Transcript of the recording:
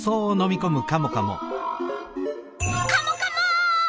カモカモ！